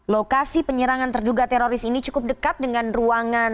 lokasi penyerangan terduga teroris ini cukup dekat dengan ruangan